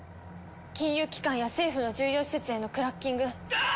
金融機関や政府の重要施設へのクラッキング。